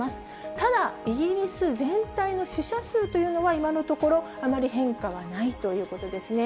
ただ、イギリス全体の死者数というのは今のところ、あまり変化はないということですね。